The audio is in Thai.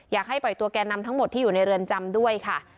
อยากให้ปล่อยตัวแก่นำทั้งหมดที่อยู่ในเรือนจำด้วยค่ะ